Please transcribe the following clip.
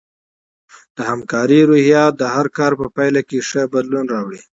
د همکارۍ روحیه د هر کار په پایله کې ښه بدلون راوړي.